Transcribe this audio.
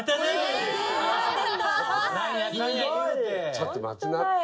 ちょっと待ちなって。